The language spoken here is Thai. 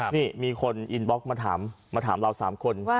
นี่มีคนอินบล็อกมาถามมาถามเรา๓คน